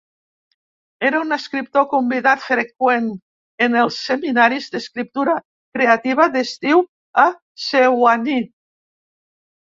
Era un escriptor convidat freqüent en els seminaris d'escriptura creativa d'estiu a Sewanee.